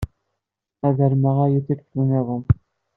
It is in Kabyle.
Ad armeɣ aya tikkelt niḍen.